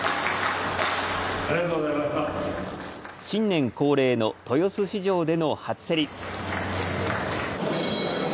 新年恒例の豊洲市場での初競り。